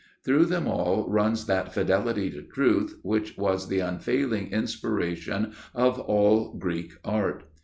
Through them all runs that fidelity to truth which was the unfailing inspiration of all Greek art.